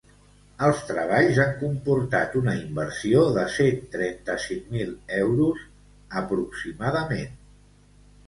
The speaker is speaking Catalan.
Els treballs han comportat una inversió de cent trenta-cinc mil euros aproximadament.